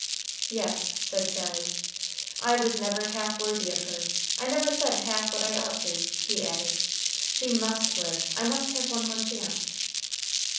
"Yes," said Sally. "I was never half worthy of her. I never said half what I ought to," he added. "She must live! I must have one more chance."